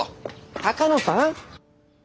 鷹野さん！？